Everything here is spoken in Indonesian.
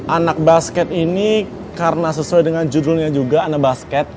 anak basket ini karena sesuai dengan judulnya juga anak basket